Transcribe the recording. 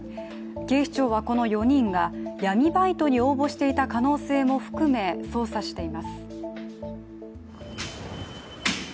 警視庁はこの４人が闇バイトに応募していた可能性も含め、捜査しています。